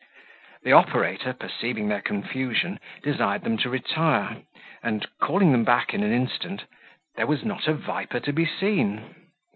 The operator, perceiving their confusion, desired them to retire, and, calling them back in an instant, there was not a viper to be seen.